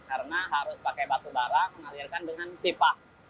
karena harus pakai batubara mengalirkan dengan pipa